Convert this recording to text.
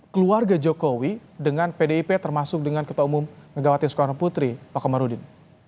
keluarga jokowi dengan pdip termasuk dengan ketua umum megawati soekarno putri pak komarudin